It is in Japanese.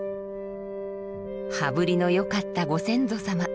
羽振りのよかったご先祖様。